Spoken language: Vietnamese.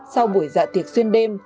sau buổi dạ tiệc xuyên đêm